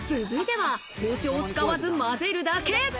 続いては包丁を使わず混ぜるだけ。